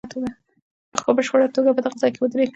وخت په بشپړه توګه په دغه ځای کې ودرېد.